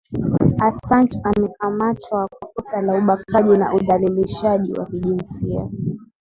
asanch amekamatwa kwa kosa la ubakaji na udhalilishaji wa kijinsia